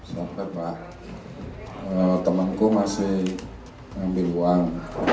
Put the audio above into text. sopir pak temanku masih ngambil uang